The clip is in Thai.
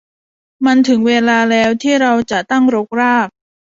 มันถึงเวลาแล้วที่เราจะตั้งรกราก